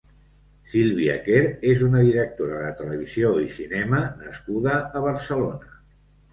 Sílvia Quer és una directora de televisió i cinema nascuda a Barcelona.